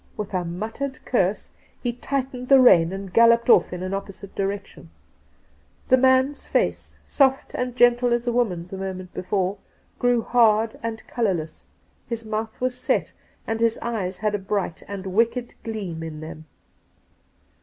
With a muttered curse he tightened the rein and galloped off in an opposite direction. The man's face, soft and gentle as a woman's a moment before, grew hard and colourless ; his mouth was set, and his eyes had a bright and wicked gleam in them.